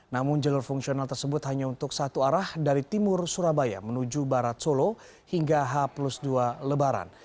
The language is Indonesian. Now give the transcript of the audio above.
namun jalur fungsional tersebut hanya untuk satu arah dari timur surabaya menuju barat solo hingga h dua lebaran